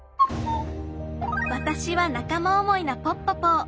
わたしは仲間思いなポッポポー。